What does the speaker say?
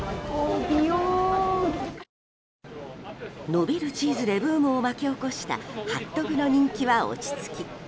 伸びるチーズでブームを巻き起こしたハットグの人気は落ち着き